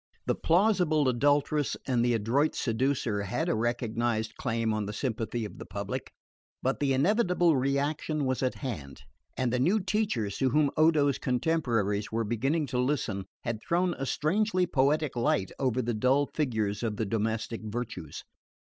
The plausible adulteress and the adroit seducer had a recognised claim on the sympathy of the public. But the inevitable reaction was at hand; and the new teachers to whom Odo's contemporaries were beginning to listen had thrown a strangely poetic light over the dull figures of the domestic virtues.